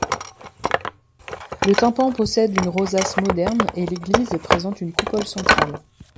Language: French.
Le tympan possède une rosace moderne et l'église présente une coupole centrale.